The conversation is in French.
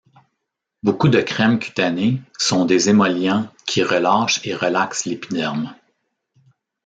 Beaucoup de crèmes cutanées sont des émollients qui relâchent et relaxent l'épiderme.